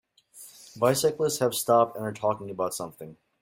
Bicyclists have stopped and are talking about something.